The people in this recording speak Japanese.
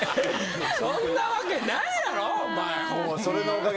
そんなわけないやろお前。